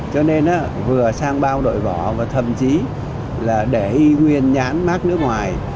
cho nên vừa sang bao đội võ và thậm chí là để ý nguyên nhãn mát nước ngoài